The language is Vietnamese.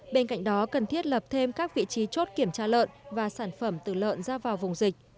bên cạnh đó cần thiết lập thêm các vị trí chốt kiểm tra lợn và sản phẩm từ lợn ra vào vùng dịch